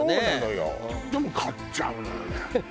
でも買っちゃうのよね。